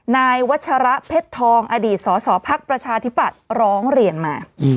นายวัชระเพชรทองอดีตสสพักประชาธิปัตย์ร้องเรียนมา